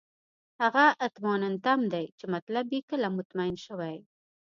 هغه اطماننتم دی چې مطلب یې کله چې مطمئن شوئ.